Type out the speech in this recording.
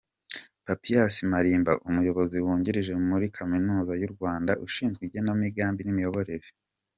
Papias Malimba, umuyobozi wungirije muri kaminuza y’u Rwanda ushinzwe igenamigambi n’imiyoborere.